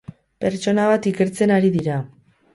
Pertsona bat ikertzen ari dira.